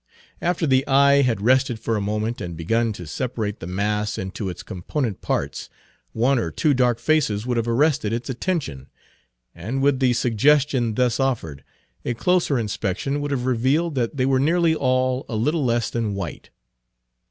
After the eye had rested for a moment and begun to separate the mass into its component parts, one or two dark faces would have arrested its attention; and with the suggestion thus offered, a closer inspection would have revealed that they were nearly all a little less than white.